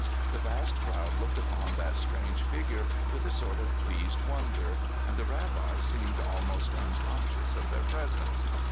The vast crowd looked upon that strange figure with a sort of pleased wonder, and the Rabbi seemed almost unconscious of their presence.